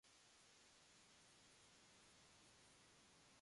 サイトの運営者はきちんと管理できているのか？